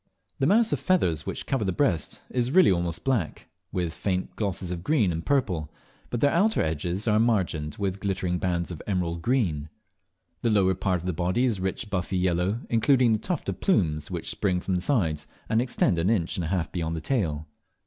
The mass of feathers which cover the breast is really almost black, with faint glosses of green and purple, but their outer edges are margined with glittering bands of emerald green. The whole lower part of the body is rich buffy yellow, including the tuft of plumes which spring from the sides, and extend an inch and a half beyond the tail.